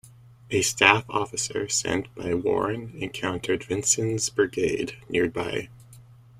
A staff officer sent by Warren encountered Vincent's brigade nearby.